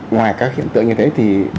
ngoài các hiện tượng như thế thì